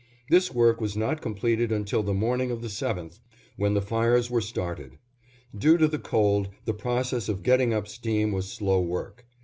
This work was not completed until the morning of the 7th, when the fires were started. Due to the cold, the process of getting up steam was slow work.